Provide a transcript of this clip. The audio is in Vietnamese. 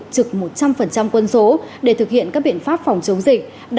trực một trăm linh quân số để thực hiện các biện pháp phòng chống dịch